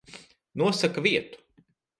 Nosaka vietu.